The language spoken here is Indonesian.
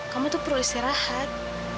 kamu tuh perlu istirahat